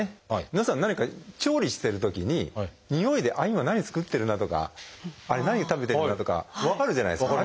皆さん何か調理してるときににおいで今何作ってるなとかあれ何を食べてるなとか分かるじゃないですか。